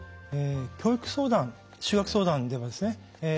教育相談就学相談ではですね